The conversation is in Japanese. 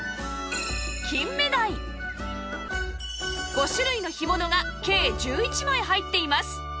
５種類の干物が計１１枚入っています